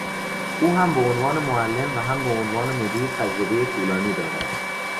او هم به عنوان معلم و هم به عنوان مدیر تجربهی طولانی دارد.